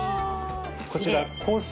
こちらコース